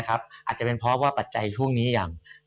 อาจจะเป็นเพราะว่าปัจจัยช่วงนี้ยัง